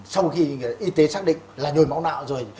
sau khi y tế xác định là nhồi máu não rồi